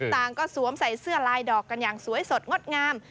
ต่างก็สวมใส่เสื้อลายดอกกันอย่างสวยสดงดงาม